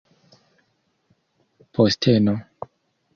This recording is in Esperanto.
posteno